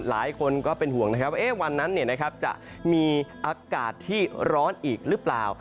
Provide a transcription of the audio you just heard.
หลายคนก็เป็นห่วงนะครับว่าวันนั้นจะมีอากาศที่ร้อนอีกหรือเปล่า